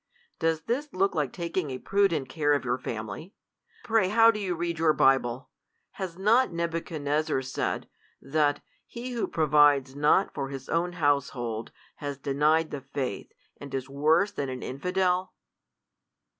Does this look like taking a prudent care of your fam ily ? Pray how do you read your Bible ? Has not Nebuchadnezzar said, that '' He, who provides not for his own household, has denied the faith, and is worse than an infidel